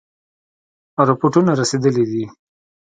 رپوټونه رسېدلي دي.